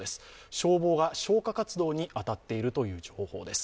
消防が消火活動に当たっているということです。